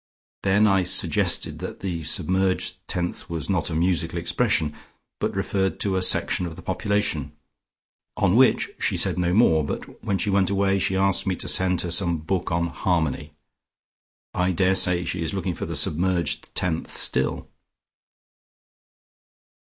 Then I suggested that the submerged tenth was not a musical expression, but referred to a section of the population. On which she said no more, but when she went away she asked me to send her some book on 'Harmony.' I daresay she is looking for the submerged tenth still."